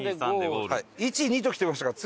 「１」「２」ときてましたから